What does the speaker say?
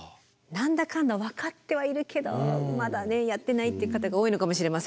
何だかんだ分かってはいるけどまだねやってないって方が多いのかもしれません。